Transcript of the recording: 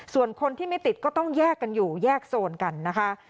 ส่วนคนที่ไม่ติดก็ต้องแยกกันอยู่แยกโซนกันนะคะ